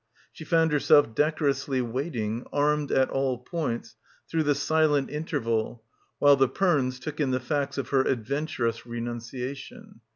She found herself decorously waiting, armed at all points, through the silent interval while the Pernes took in the facts of her adven turous renunciation.